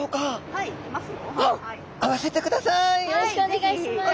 はい。